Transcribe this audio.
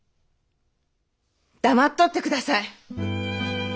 黙っとってください！